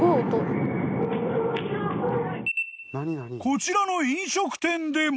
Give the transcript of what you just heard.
［こちらの飲食店でも］